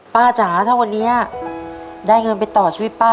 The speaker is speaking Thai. จ๋าถ้าวันนี้ได้เงินไปต่อชีวิตป้า